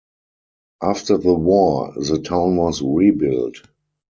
After the war, the town was rebuilt.